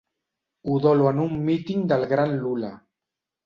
Udolo en un míting del gran Lula.